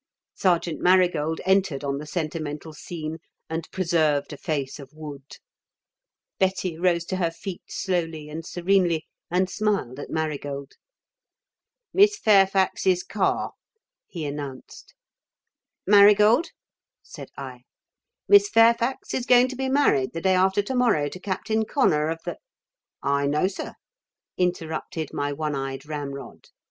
Sergeant Marigold entered on the sentimental scene and preserved a face of wood. Betty rose to her feet slowly and serenely and smiled at Marigold. "Miss Fairfax's car," he announced. "Marigold," said I, "Miss Fairfax is going to be married the day after to morrow to Captain Connor of the " "I know, sir," interrupted my one eyed ramrod.